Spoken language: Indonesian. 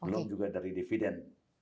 belum juga dari dividen